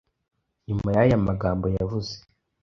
Nyuma y’aya amagambo yavuze